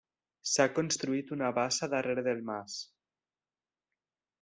S'ha construït una bassa darrere del mas.